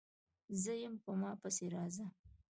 _زه يم، په ما پسې راځه!